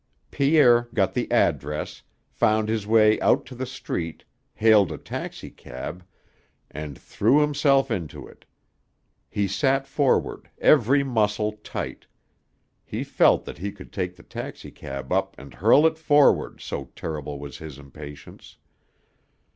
Pierre got the address, found his way out to the street, hailed a taxicab, and threw himself into it. He sat forward, every muscle tight; he felt that he could take the taxicab up and hurl it forward, so terrible was his impatience.